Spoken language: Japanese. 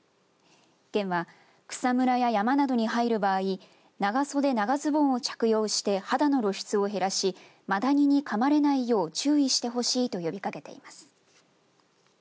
県は、草むらや山などに入る場合長袖、長ズボンを着用して肌の露出を減らしマダニにかまれないよう注意してほしいと呼びかけています。